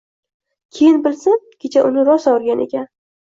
Keyin bilsam, kecha uni rosa urgan ekan.